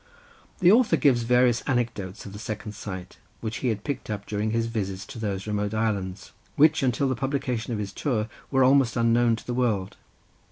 The author gives various anecdotes of the second sight, which he had picked up during his visits to those remote islands, which until the publication of his tour were almost unknown to the world.